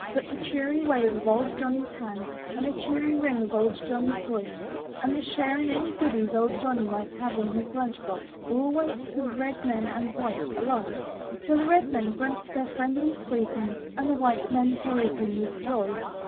But the cheery wave of Old Johnny's hand and the cheery ring of Old Johnny's voice, and the share in any goodies Old Johnny might have in his lunch box, were always for red man and white alike; so the red men grunted their friendliest greetings, and the white men hailed him with joy.